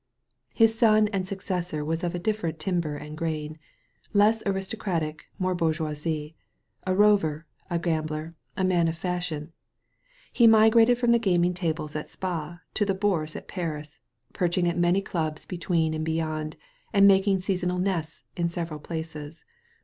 His son and successor was of a different timber and grain; less aristocratic, more bourgeois — a rover, a gambler, a man of fashion. He migrated from the gaming tables at Spa to the Bourse at Paris, perching at many clubs between and beyond, and making seasonal nests in several places.